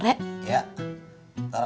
mau beli bukaan buat nanti sore